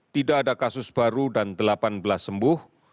tidak ada kasus baru dan delapan belas sembuh